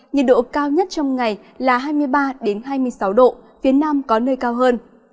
nhiệt độ cao nhất trong ngày là hai mươi ba hai mươi sáu độ phía nam có nơi cao hơn